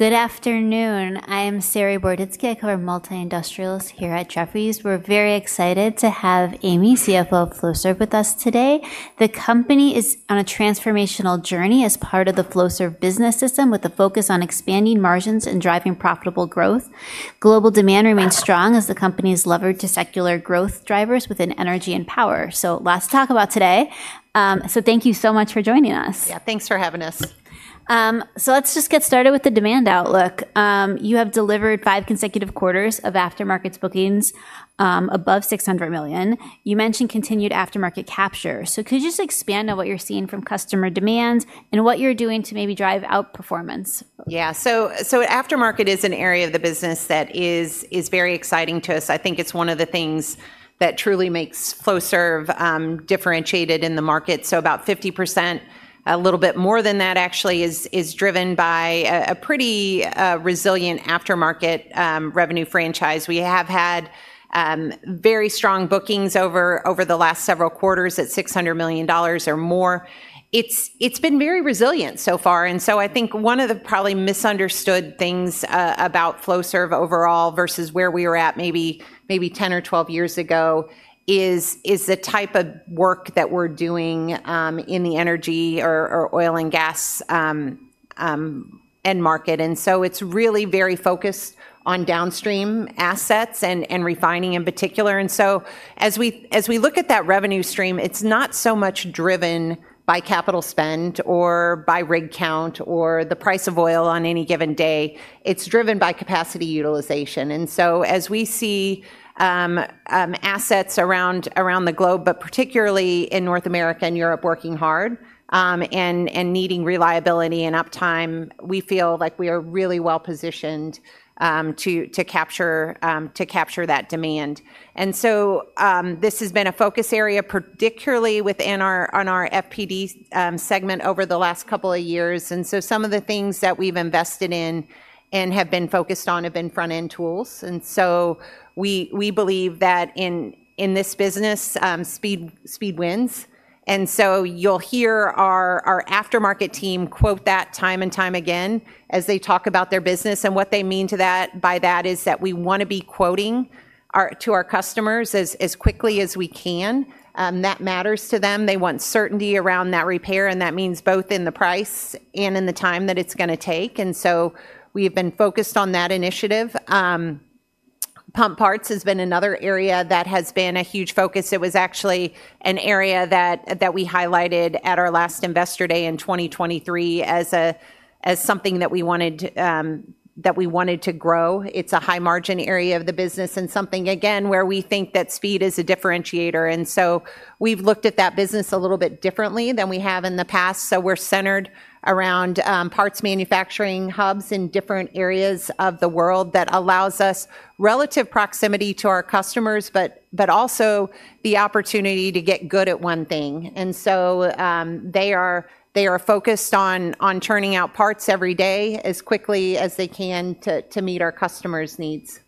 Good afternoon. I am Saree Boroditsky, a Client Multi-Industrialist here at Jefferie s. We're very excited to have Amy, CFO of Flowserve, with us today. The company is on a transformational journey as part of the Flowserve business system, with a focus on expanding margins and driving profitable growth. Global demand remains strong as the company is levered to secular growth drivers within energy and power. There is lots to talk about today, so thank you so much for joining us. Yeah, thanks for having us. Let's just get started with the demand outlook. You have delivered five consecutive quarters of aftermarket bookings above $600 million. You mentioned continued aftermarket capture. Could you just expand on what you're seeing from customer demands and what you're doing to maybe drive outperformance? Aftermarket is an area of the business that is very exciting to us. I think it's one of the things that truly makes Flowserve differentiated in the market. About 50%, a little bit more than that actually, is driven by a pretty resilient aftermarket revenue franchise. We have had very strong bookings over the last several quarters at $600 million or more. It's been very resilient so far. I think one of the probably misunderstood things about Flowserve overall versus where we were at maybe 10 or 12 years ago is the type of work that we're doing in the energy or oil and gas end market. It's really very focused on downstream assets and refining in particular. As we look at that revenue stream, it's not so much driven by capital spend or by rig count or the price of oil on any given day. It's driven by capacity utilization. As we see assets around the globe, but particularly in North America and Europe working hard and needing reliability and uptime, we feel like we are really well positioned to capture that demand. This has been a focus area, particularly within our FPD segment over the last couple of years. Some of the things that we've invested in and have been focused on have been front-end tools. We believe that in this business, speed wins. You'll hear our aftermarket team quote that time and time again as they talk about their business. What they mean by that is that we want to be quoting to our customers as quickly as we can. That matters to them. They want certainty around that repair. That means both in the price and in the time that it's going to take. We've been focused on that initiative. Pump parts has been another area that has been a huge focus. It was actually an area that we highlighted at our last Investor Day in 2023 as something that we wanted to grow. It's a high margin area of the business and something, again, where we think that speed is a differentiator. We've looked at that business a little bit differently than we have in the past. We're centered around parts manufacturing hubs in different areas of the world that allow us relative proximity to our customers, but also the opportunity to get good at one thing. They are focused on churning out parts every day as quickly as they can to meet our customers' needs.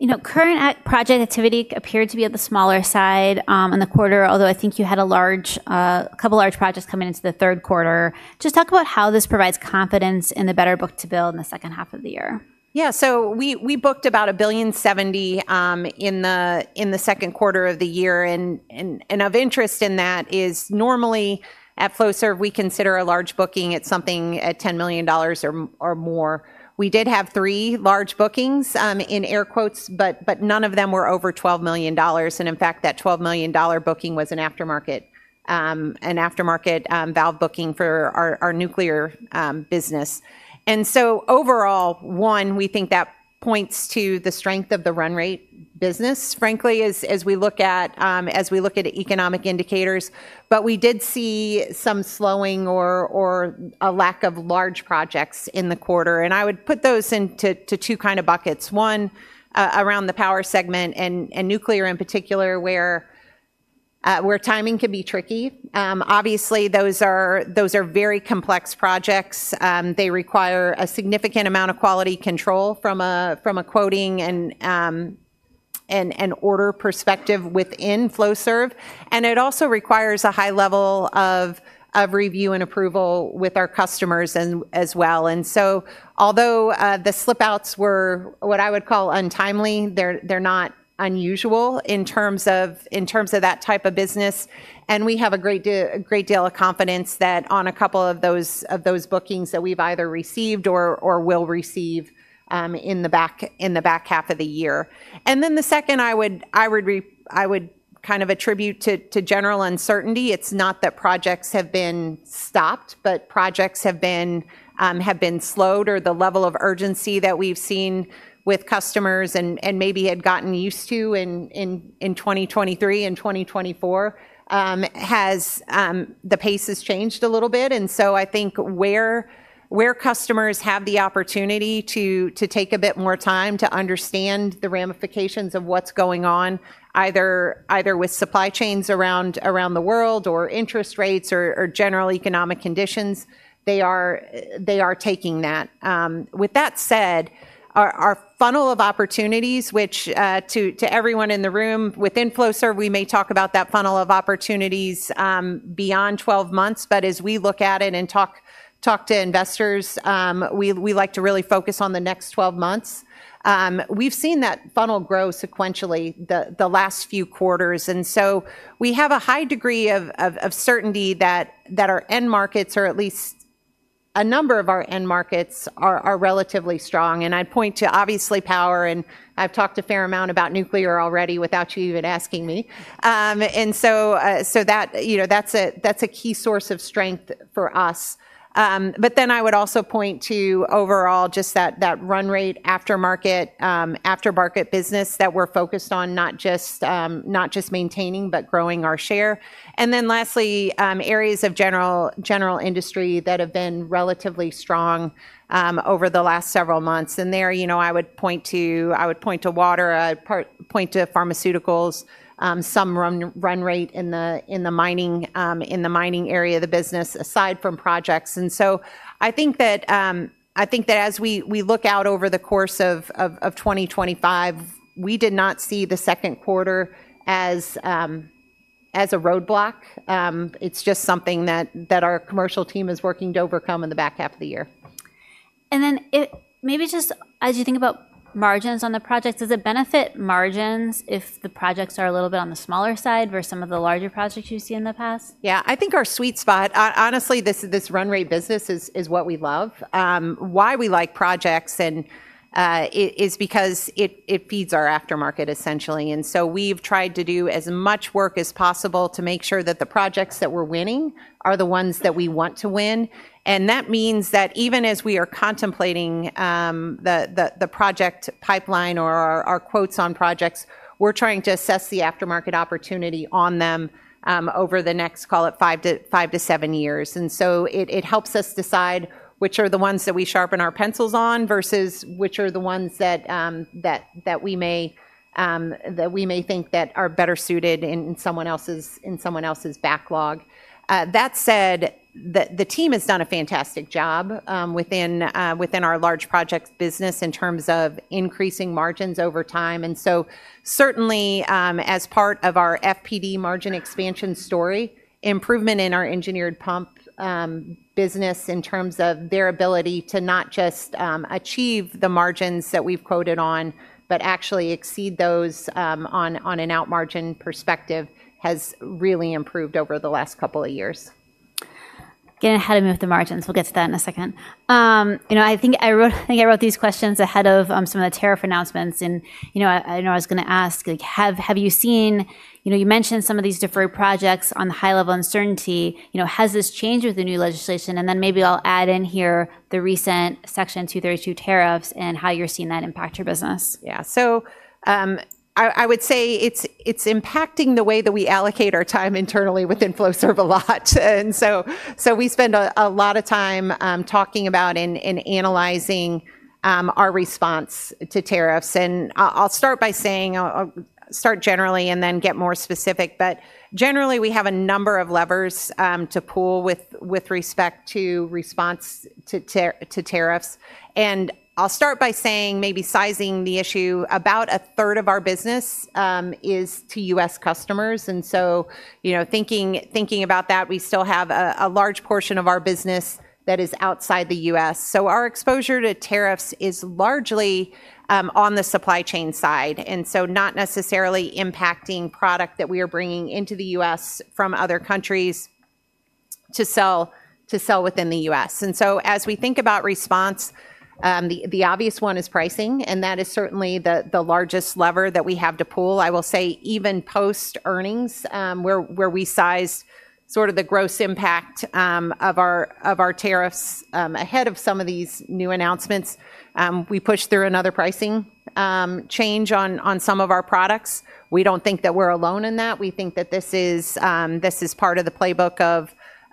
You know, current project activity appeared to be on the smaller side in the quarter, although I think you had a couple of large projects coming into the third quarter. Just talk about how this provides confidence in the better book to build in the second half of the year. Yeah, so we booked about [$1.7 billion] in the second quarter of the year. Of interest in that is normally at Flowserve, we consider a large booking as something at $10 million or more. We did have three large bookings, in air quotes, but none of them were over $12 million. In fact, that $12 million booking was an aftermarket valve booking for our nuclear business. Overall, we think that points to the strength of the run rate business, frankly, as we look at economic indicators. We did see some slowing or a lack of large projects in the quarter. I would put those into two kinds of buckets. One, around the power segment and nuclear in particular, where timing can be tricky. Obviously, those are very complex projects. They require a significant amount of quality control from a quoting and order perspective within Flowserve. It also requires a high level of review and approval with our customers as well. Although the slip-outs were what I would call untimely, they're not unusual in terms of that type of business. We have a great deal of confidence that on a couple of those bookings that we've either received or will receive in the back half of the year. The second I would kind of attribute to general uncertainty. It's not that projects have been stopped, but projects have been slowed or the level of urgency that we've seen with customers and maybe had gotten used to in 2023 and 2024, the pace has changed a little bit. I think where customers have the opportunity to take a bit more time to understand the ramifications of what's going on, either with supply chains around the world or interest rates or general economic conditions, they are taking that. With that said, our funnel of opportunities, which to everyone in the room within Flowserve, we may talk about that funnel of opportunities beyond 12 months. As we look at it and talk to investors, we like to really focus on the next 12 months. We've seen that funnel grow sequentially the last few quarters. We have a high degree of certainty that our end markets, or at least a number of our end markets, are relatively strong. I'd point to obviously power. I've talked a fair amount about nuclear already without you even asking me. That's a key source of strength for us. I would also point to overall just that run rate aftermarket business that we're focused on, not just maintaining, but growing our share. Lastly, areas of general industry that have been relatively strong over the last several months include water, pharmaceuticals, and some run rate in the mining area of the business, aside from projects. I think that as we look out over the course of 2025, we did not see the second quarter as a roadblock. It's just something that our commercial team is working to overcome in the back half of the year. As you think about margins on the projects, does it benefit margins if the projects are a little bit on the smaller side versus some of the larger projects you've seen in the past? Yeah, I think our sweet spot, honestly, this run rate business is what we love. Why we like projects is because it feeds our aftermarket, essentially. We’ve tried to do as much work as possible to make sure that the projects that we’re winning are the ones that we want to win. That means that even as we are contemplating the project pipeline or our quotes on projects, we’re trying to assess the aftermarket opportunity on them over the next, call it, five to seven years. It helps us decide which are the ones that we sharpen our pencils on versus which are the ones that we may think that are better suited in someone else’s backlog. That said, the team has done a fantastic job within our large projects business in terms of increasing margins over time. Certainly, as part of our FPD margin expansion story, improvement in our engineered pump business in terms of their ability to not just achieve the margins that we’ve quoted on, but actually exceed those on an out margin perspective has really improved over the last couple of years. Getting ahead of me with the margins, we'll get to that in a second. I think I wrote these questions ahead of some of the tariff announcements. I know I was going to ask, have you seen, you mentioned some of these deferred projects on the high level uncertainty. Has this changed with the new legislation? Maybe I'll add in here the recent Section 232 tariffs and how you're seeing that impact your business. I would say it's impacting the way that we allocate our time internally within Flowserve a lot. We spend a lot of time talking about and analyzing our response to tariffs. I'll start generally and then get more specific. Generally, we have a number of levers to pull with respect to response to tariffs. Maybe sizing the issue, about a third of our business is to U.S. customers. Thinking about that, we still have a large portion of our business that is outside the U.S., so our exposure to tariffs is largely on the supply chain side. It's not necessarily impacting product that we are bringing into the U.S. from other countries to sell within the U.S. As we think about response, the obvious one is pricing, and that is certainly the largest lever that we have to pull. Even post-earnings, where we sized sort of the gross impact of our tariffs ahead of some of these new announcements, we pushed through another pricing change on some of our products. We don't think that we're alone in that. We think that this is part of the playbook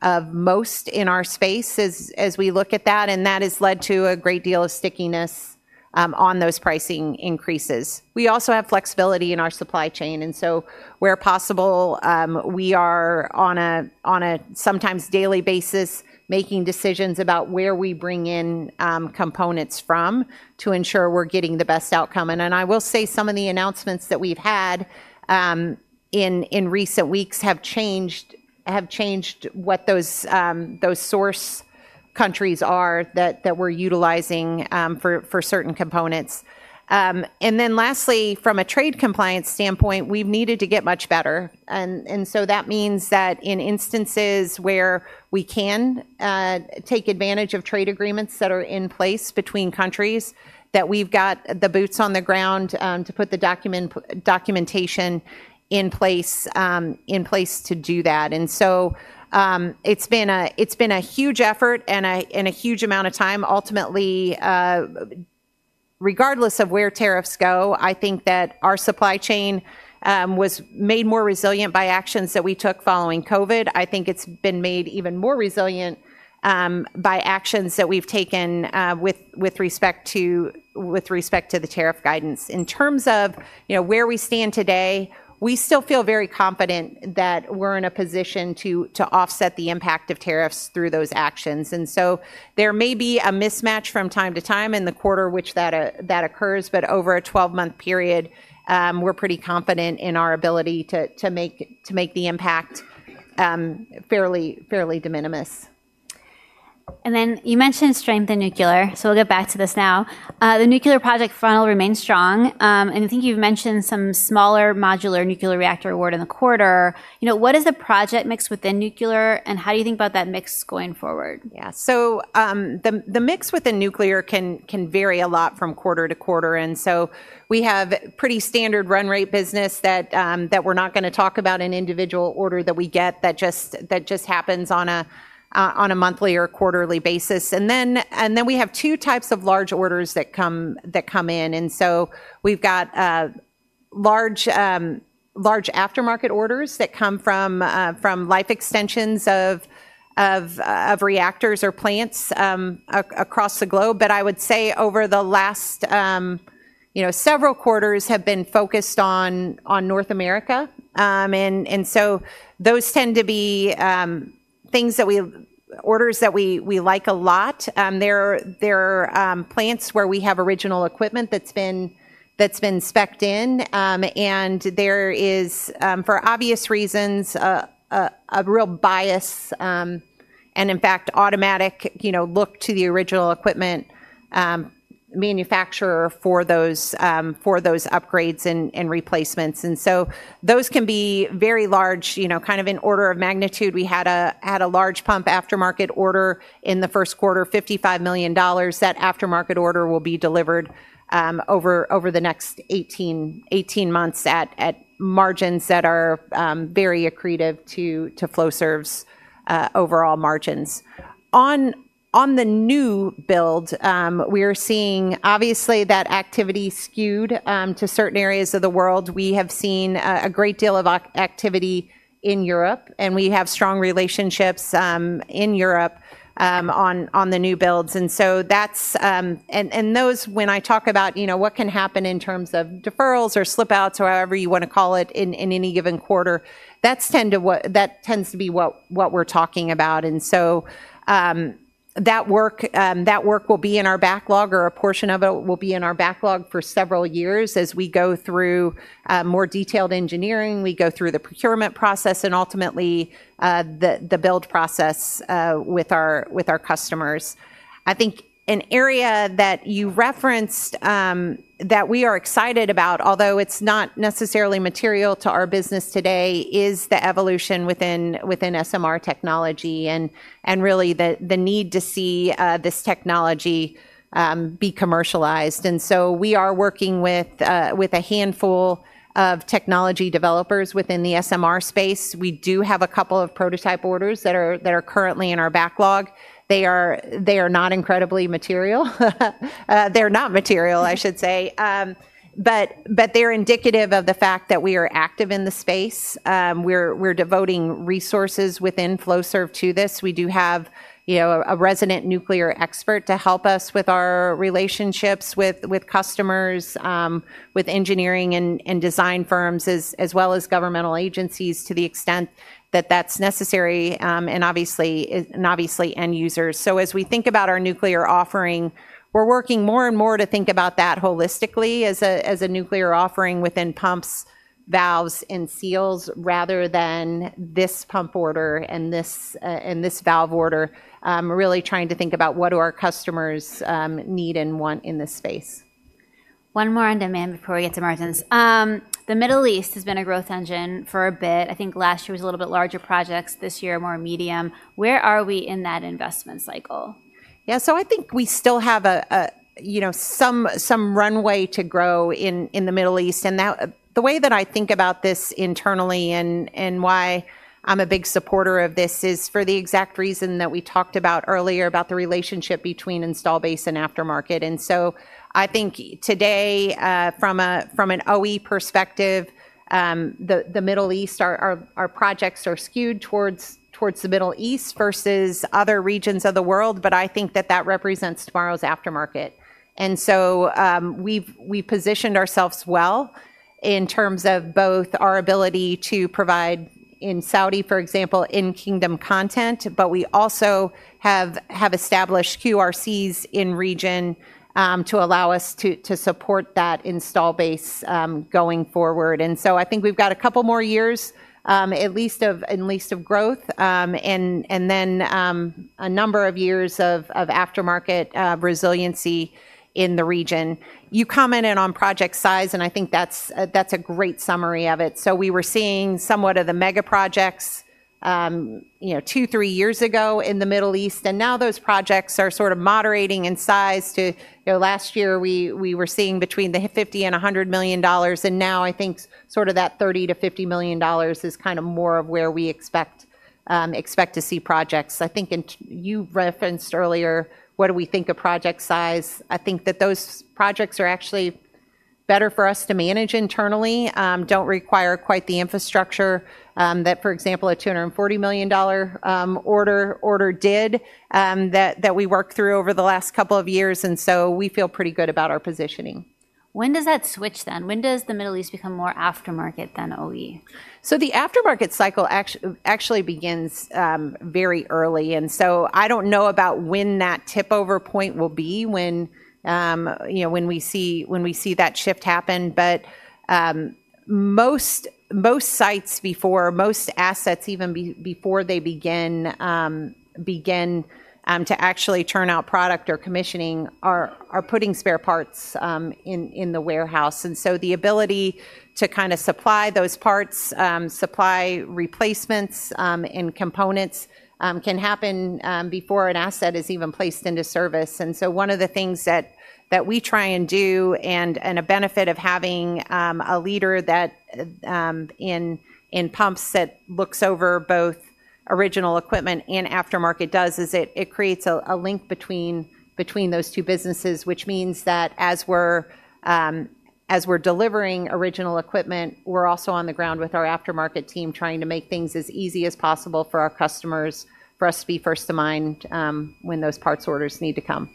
of most in our space as we look at that, and that has led to a great deal of stickiness on those pricing increases. We also have flexibility in our supply chain. Where possible, we are on a sometimes daily basis making decisions about where we bring in components from to ensure we're getting the best outcome. Some of the announcements that we've had in recent weeks have changed what those source countries are that we're utilizing for certain components. Lastly, from a trade compliance standpoint, we've needed to get much better. That means that in instances where we can take advantage of trade agreements that are in place between countries, we've got the boots on the ground to put the documentation in place to do that. It's been a huge effort and a huge amount of time. Ultimately, regardless of where tariffs go, I think that our supply chain was made more resilient by actions that we took following COVID. I think it's been made even more resilient by actions that we've taken with respect to the tariff guidance. In terms of where we stand today, we still feel very confident that we're in a position to offset the impact of tariffs through those actions. There may be a mismatch from time to time in the quarter in which that occurs, but over a 12-month period, we're pretty confident in our ability to make the impact fairly de minimis. You mentioned strength in nuclear. We'll get back to this now. The nuclear project funnel remains strong, and I think you've mentioned some small modular reactor award in the quarter. What is the project mix within nuclear, and how do you think about that mix going forward? Yeah, so the mix within nuclear can vary a lot from quarter- to- quarter. We have pretty standard run rate business that we're not going to talk about in individual order that we get that just happens on a monthly or quarterly basis. We have two types of large orders that come in. We've got large aftermarket orders that come from life extensions of reactors or plants across the globe. I would say over the last several quarters have been focused on North America. Those tend to be orders that we like a lot. There are plants where we have original equipment that's been specced in. There is, for obvious reasons, a real bias and, in fact, automatic look to the original equipment manufacturer for those upgrades and replacements. Those can be very large, you know, kind of in order of magnitude. We had a large pump aftermarket order in the first quarter, $55 million. That aftermarket order will be delivered over the next 18 months at margins that are very accretive to Flowserve's overall margins. On the new build, we are seeing obviously that activity skewed to certain areas of the world. We have seen a great deal of activity in Europe. We have strong relationships in Europe on the new builds. That's, and those, when I talk about, you know, what can happen in terms of deferrals or slip-outs or however you want to call it in any given quarter, that tends to be what we're talking about. That work will be in our backlog or a portion of it will be in our backlog for several years as we go through more detailed engineering. We go through the procurement process and ultimately the build process with our customers. I think an area that you referenced that we are excited about, although it's not necessarily material to our business today, is the evolution within SMR technology and really the need to see this technology be commercialized. We are working with a handful of technology developers within the SMR space. We do have a couple of prototype orders that are currently in our backlog. They are not incredibly material. They're not material, I should say. They're indicative of the fact that we are active in the space. We're devoting resources within Flowserve to this. We do have a resident nuclear expert to help us with our relationships with customers, with engineering and design firms, as well as governmental agencies to the extent that that's necessary, and obviously end users. As we think about our nuclear offering, we're working more and more to think about that holistically as a nuclear offering within pumps, valves, and seals rather than this pump order and this valve order. We're really trying to think about what do our customers need and want in this space. One more on demand before we get to margins. The Middle East has been a growth engine for a bit. I think last year was a little bit larger projects. This year, more medium. Where are we in that investment cycle? Yeah, I think we still have some runway to grow in the Middle East. The way that I think about this internally and why I'm a big supporter of this is for the exact reason that we talked about earlier about the relationship between install base and aftermarket. I think today from an OE perspective, the Middle East, our projects are skewed towards the Middle East versus other regions of the world. I think that represents tomorrow's aftermarket. We've positioned ourselves well in terms of both our ability to provide in Saudi, for example, in kingdom content. We also have established QRCs in region to allow us to support that install base going forward. I think we've got a couple more years at least of growth, and then a number of years of aftermarket resiliency in the region. You commented on project size, and I think that's a great summary of it. We were seeing somewhat of the mega projects two, three years ago in the Middle East, and now those projects are moderating in size. Last year, we were seeing between the $50 million and $100 million. Now I think that $30 million- $50 million is kind of more of where we expect to see projects. I think you referenced earlier what do we think of project size? I think that those projects are actually better for us to manage internally, don't require quite the infrastructure that, for example, a $240 million order did that we worked through over the last couple of years. We feel pretty good about our positioning. When does that switch then? When does the Middle East become more aftermarket than OE? The aftermarket cycle actually begins very early. I don't know about when that tipover point will be when we see that shift happen. Most sites, before most assets even begin to actually churn out product or commissioning, are putting spare parts in the warehouse. The ability to kind of supply those parts, supply replacements and components can happen before an asset is even placed into service. One of the things that we try and do, and a benefit of having a leader in pumps that looks over both original equipment and aftermarket, is it creates a link between those two businesses, which means that as we're delivering original equipment, we're also on the ground with our aftermarket team trying to make things as easy as possible for our customers, for us to be first in mind when those parts orders need to come.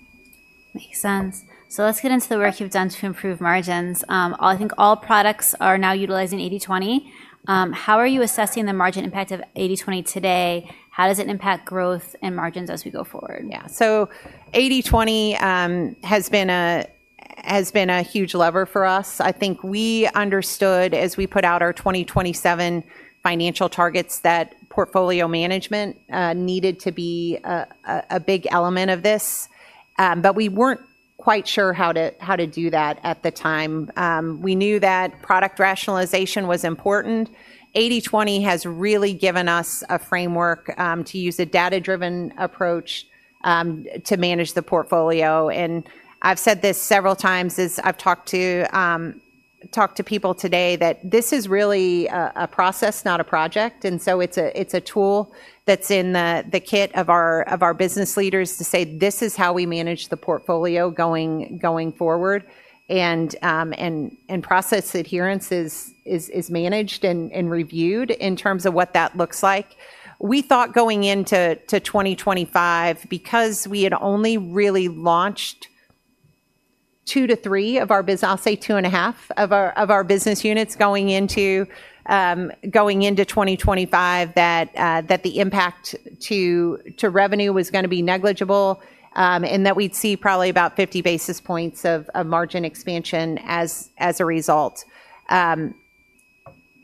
Makes sense. Let's get into the work you've done to improve margins. I think all products are now utilizing 80/20. How are you assessing the margin impact of 80/20 today? How does it impact growth and margins as we go forward? Yeah, so 80/20 has been a huge lever for us. I think we understood as we put out our 2027 financial targets that portfolio management needed to be a big element of this. We weren't quite sure how to do that at the time. We knew that product rationalization was important. 80/20 has really given us a framework to use a data-driven approach to manage the portfolio. I've said this several times as I've talked to people today that this is really a process, not a project. It's a tool that's in the kit of our business leaders to say this is how we manage the portfolio going forward. Process adherence is managed and reviewed in terms of what that looks like. We thought going into 2025, because we had only really launched two to three of our, I'll say, two and a half of our business units going into 2025, that the impact to revenue was going to be negligible and that we'd see probably about 50 basis points of margin expansion as a result.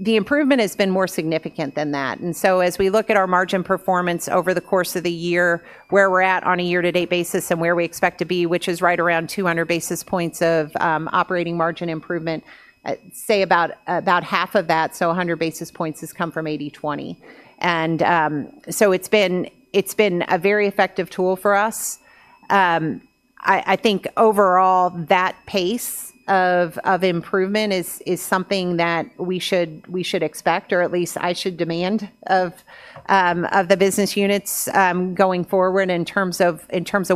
The improvement has been more significant than that. As we look at our margin performance over the course of the year, where we're at on a year-to-date basis and where we expect to be, which is right around 200 basis points of operating margin improvement, about half of that, so 100 basis points, has come from 80/20. It's been a very effective tool for us. I think overall that pace of improvement is something that we should expect, or at least I should demand of the business units going forward in terms of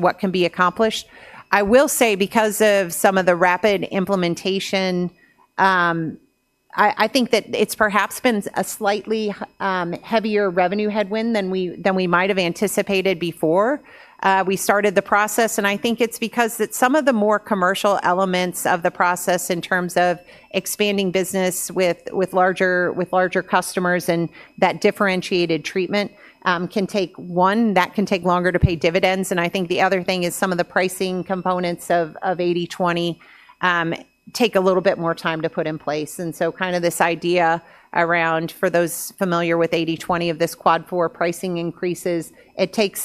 what can be accomplished. I will say because of some of the rapid implementation, I think that it's perhaps been a slightly heavier revenue headwind than we might have anticipated before we started the process. I think it's because some of the more commercial elements of the process in terms of expanding business with larger customers and that differentiated treatment can take longer to pay dividends. The other thing is some of the pricing components of 80/20 take a little bit more time to put in place. This idea around, for those familiar with 80/20, of this quad four pricing increases, it takes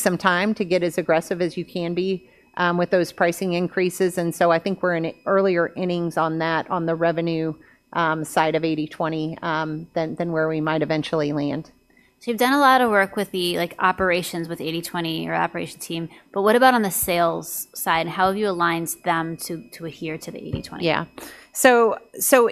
some time to get as aggressive as you can be with those pricing increases. I think we're in earlier innings on that on the revenue side of 80/20 than where we might eventually land. You've done a lot of work with the operations with 80/20 or operations team. What about on the sales side? How have you aligned them to adhere to the 80/20? Yeah, so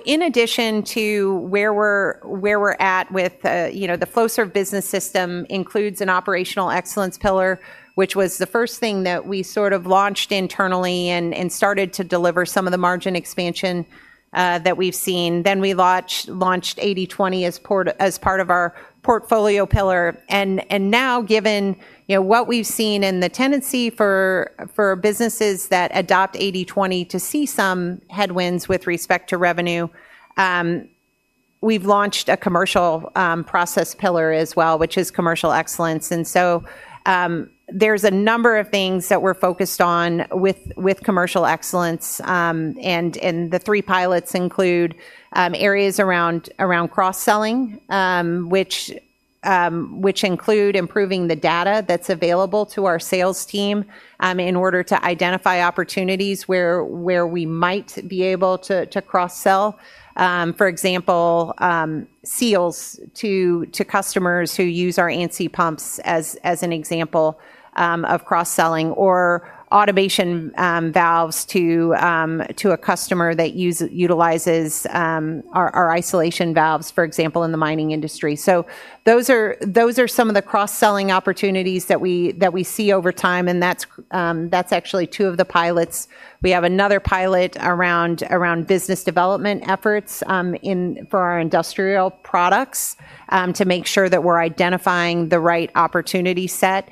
in addition to where we're at with the Flowserve business system, it includes an operational excellence pillar, which was the first thing that we sort of launched internally and started to deliver some of the margin expansion that we've seen. We launched 80/20 as part of our portfolio pillar. Given what we've seen and the tendency for businesses that adopt 80/20 to see some headwinds with respect to revenue, we've launched a commercial process pillar as well, which is commercial excellence. There's a number of things that we're focused on with commercial excellence. The three pilots include areas around cross-selling, which include improving the data that's available to our sales team in order to identify opportunities where we might be able to cross-sell. For example, seals to customers who use our ANSI pumps as an example of cross-selling, or automation valves to a customer that utilizes our isolation valves, for example, in the mining industry. Those are some of the cross-selling opportunities that we see over time. That's actually two of the pilots. We have another pilot around business development efforts for our industrial products to make sure that we're identifying the right opportunity set.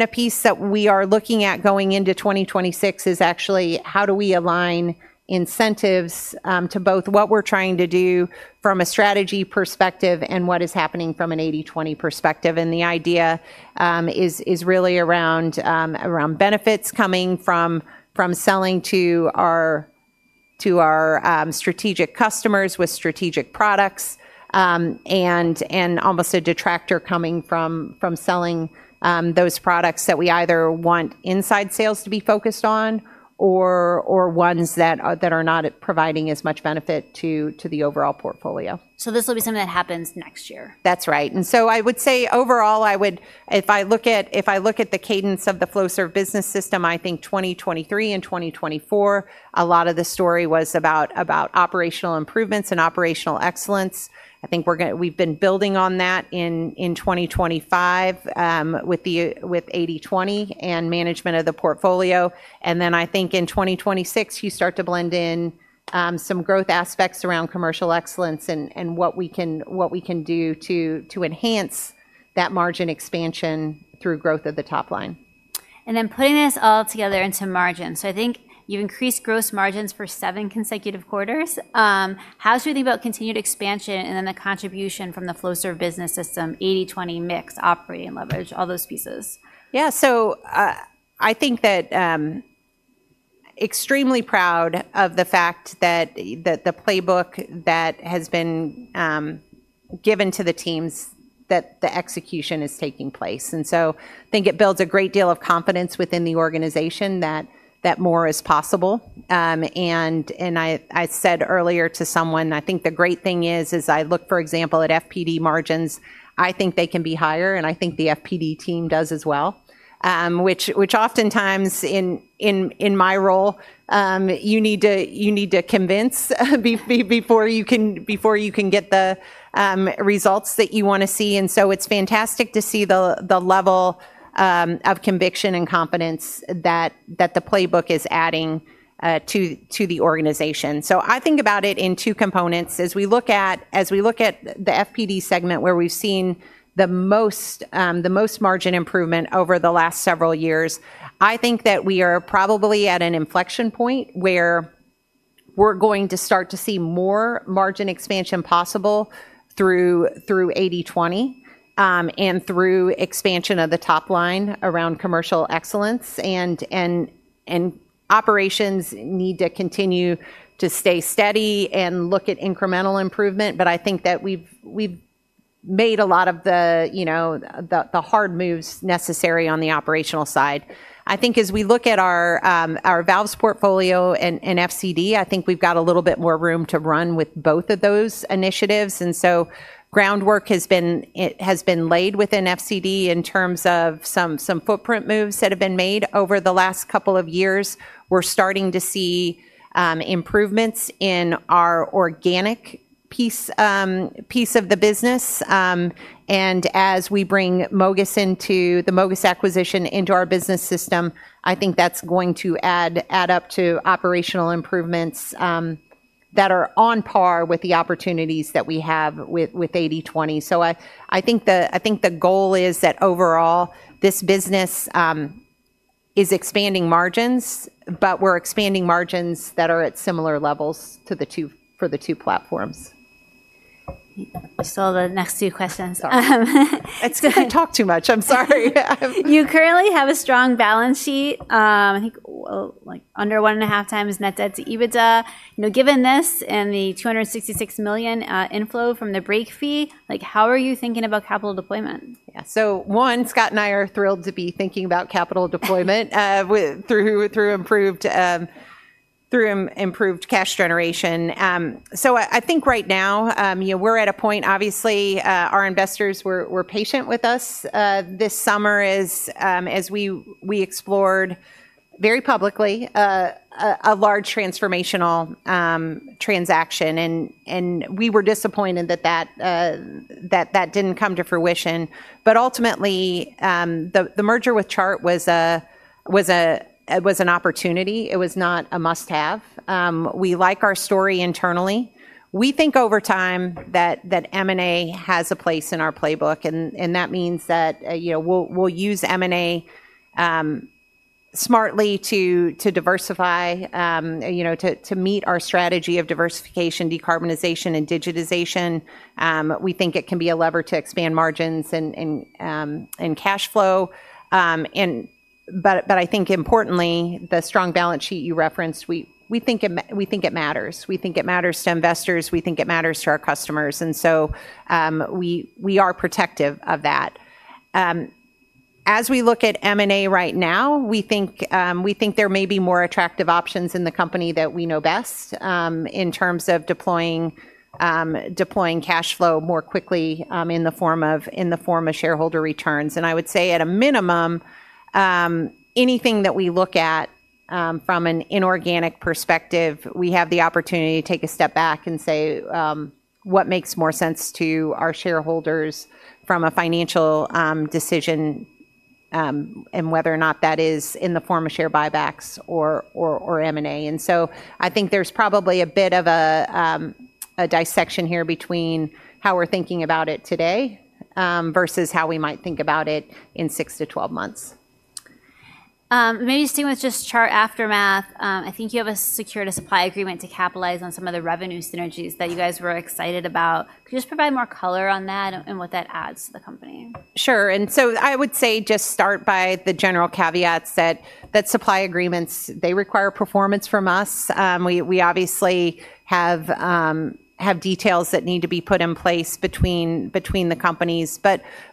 A piece that we are looking at going into 2026 is actually how do we align incentives to both what we're trying to do from a strategy perspective and what is happening from an 80/20 perspective. The idea is really around benefits coming from selling to our strategic customers with strategic products and almost a detractor coming from selling those products that we either want inside sales to be focused on or ones that are not providing as much benefit to the overall portfolio. This will be something that happens next year. That's right. I would say overall, if I look at the cadence of the Flowserve business system, I think 2023 and 2024, a lot of the story was about operational improvements and operational excellence. I think we've been building on that in 2025 with 80/20 and management of the portfolio. I think in 2026, you start to blend in some growth aspects around commercial excellence and what we can do to enhance that margin expansion through growth of the top line. Putting this all together into margins, I think you've increased gross margins for seven consecutive quarters. How should we think about continued expansion and the contribution from the Flowserve business system, 80/20 mix, operating leverage, all those pieces? Yeah, I think that extremely proud of the fact that the playbook that has been given to the teams, that the execution is taking place. I think it builds a great deal of confidence within the organization that more is possible. I said earlier to someone, I think the great thing is, I look, for example, at FPD margins. I think they can be higher, and I think the FPD team does as well, which oftentimes in my role, you need to convince before you can get the results that you want to see. It's fantastic to see the level of conviction and confidence that the playbook is adding to the organization. I think about it in two components. As we look at the FPD segment where we've seen the most margin improvement over the last several years, I think that we are probably at an inflection point where we're going to start to see more margin expansion possible through 80/20 and through expansion of the top line around commercial excellence. Operations need to continue to stay steady and look at incremental improvement. I think that we've made a lot of the hard moves necessary on the operational side. As we look at our valves portfolio and FCD, I think we've got a little bit more room to run with both of those initiatives. Groundwork has been laid within FCD in terms of some footprint moves that have been made over the last couple of years. We're starting to see improvements in our organic piece of the business. As we bring the MOGAS acquisition into our business system, I think that's going to add up to operational improvements that are on par with the opportunities that we have with 80/20. I think the goal is that overall this business is expanding margins, but we're expanding margins that are at similar levels for the two platforms. The next two questions. I talk too much. I'm sorry. You currently have a strong balance sheet. I think under 1.5x net debt to EBITDA. Given this and the $266 million inflow from the break fee, how are you thinking about capital deployment? Scott and I are thrilled to be thinking about capital deployment through improved cash generation. I think right now we're at a point, obviously, our investors were patient with us this summer as we explored very publicly a large transformational transaction. We were disappointed that that didn't come to fruition. Ultimately, the merger with Chart was an opportunity. It was not a must-have. We like our story internally. We think over time that M&A has a place in our playbook. That means that we'll use M&A smartly to diversify, to meet our strategy of diversification, decarbonization, and digitization. We think it can be a lever to expand margins and cash flow. I think importantly, the strong balance sheet you referenced, we think it matters. We think it matters to investors. We think it matters to our customers. We are protective of that. As we look at M&A right now, we think there may be more attractive options in the company that we know best in terms of deploying cash flow more quickly in the form of shareholder returns. I would say at a minimum, anything that we look at from an inorganic perspective, we have the opportunity to take a step back and say what makes more sense to our shareholders from a financial decision and whether or not that is in the form of share buybacks or M&A. I think there's probably a bit of a dissection here between how we're thinking about it today versus how we might think about it in six to 12 months. Maybe sticking with just Chart aftermath, I think you have a secured supply agreement to capitalize on some of the revenue synergies that you guys were excited about. Could you just provide more color on that and what that adds to the company? Sure. I would say just start by the general caveats that supply agreements require performance from us. We obviously have details that need to be put in place between the companies.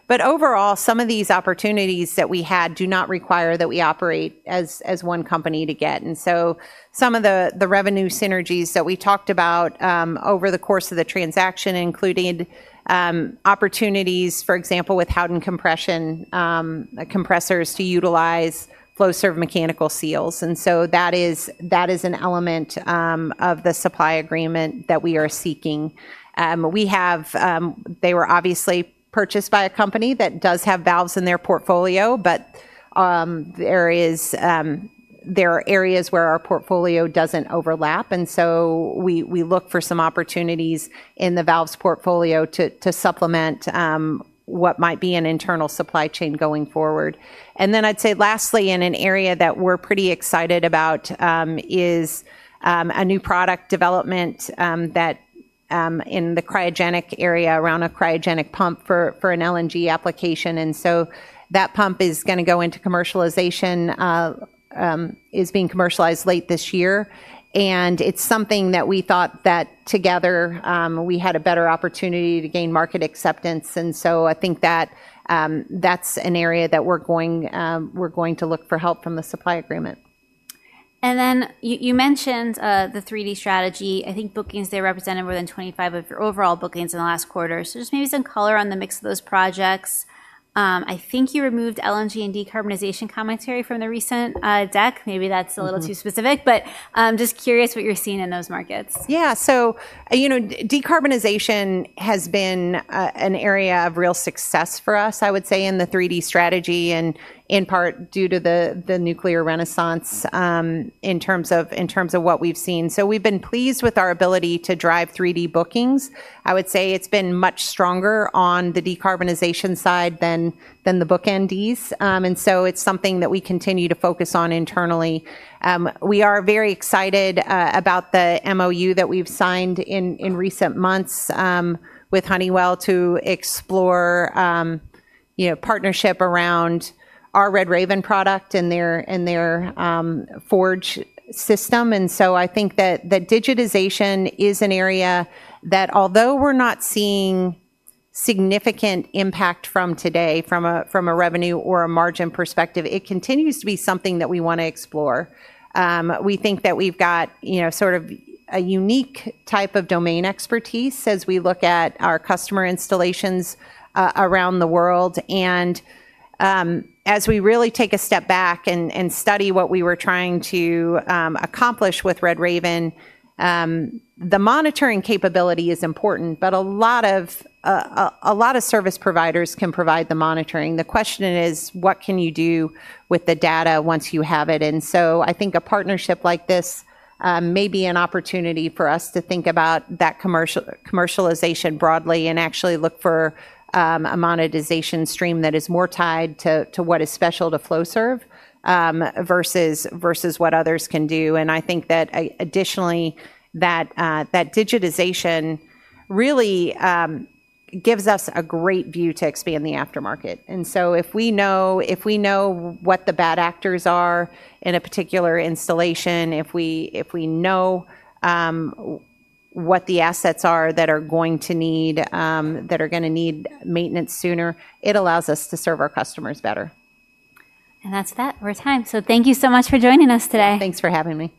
Overall, some of these opportunities that we had do not require that we operate as one company to get. Some of the revenue synergies that we talked about over the course of the transaction, including opportunities, for example, with Howden compressors to utilize Flowserve mechanical seals, are an element of the supply agreement that we are seeking. They were obviously purchased by a company that does have valves in their portfolio, but there are areas where our portfolio doesn't overlap. We look for some opportunities in the valves portfolio to supplement what might be an internal supply chain going forward. Lastly, in an area that we're pretty excited about is a new product development in the cryogenic area around a cryogenic pump for an LNG application. That pump is going to go into commercialization, is being commercialized late this year. It's something that we thought that together we had a better opportunity to gain market acceptance. I think that that's an area that we're going to look for help from the supply agreement. You mentioned the 3D strategy. I think bookings there represented more than 25% of your overall bookings in the last quarter. Just maybe some color on the mix of those projects. I think you removed LNG and decarbonization commentary from the recent deck. Maybe that's a little too specific, but I'm just curious what you're seeing in those markets. Yeah, decarbonization has been an area of real success for us, I would say, in the 3D strategy, and in part due to the nuclear renaissance in terms of what we've seen. We've been pleased with our ability to drive 3D bookings. I would say it's been much stronger on the decarbonization side than the bookends. It is something that we continue to focus on internally. We are very excited about the MOU that we've signed in recent months with Honeywell to explore partnership around our Red Raven product and their Forge system. I think that digitization is an area that although we're not seeing significant impact today from a revenue or a margin perspective, it continues to be something that we want to explore. We think that we've got sort of a unique type of domain expertise as we look at our customer installations around the world. As we really take a step back and study what we were trying to accomplish with Red Raven, the monitoring capability is important. A lot of service providers can provide the monitoring. The question is, what can you do with the data once you have it? I think a partnership like this may be an opportunity for us to think about that commercialization broadly and actually look for a monetization stream that is more tied to what is special to Flowserve versus what others can do. I think that additionally, digitization really gives us a great view to expand the aftermarket. If we know what the bad actors are in a particular installation, if we know what the assets are that are going to need maintenance sooner, it allows us to serve our customers better. That's that. We're at time, so thank you so much for joining us today. Thanks for having me.